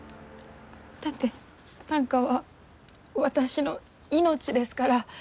だって短歌は私の命ですから。